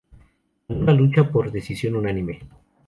Ganó la lucha por decisión unánime.